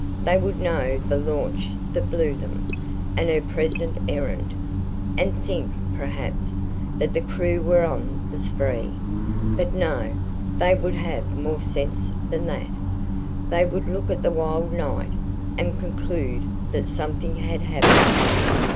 They would know the launch that blew them, and her present errand, and think, perhaps, that the crew were on the spree. But no, they would have more sense than that; they would look at the wild night, and conclude that something had happened.